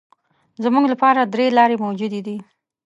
زموږ لپاره درې لارې موجودې دي.